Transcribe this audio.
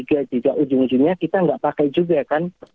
juga ujung ujungnya kita nggak pakai juga kan